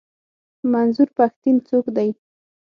منظور پښتين څوک دی؟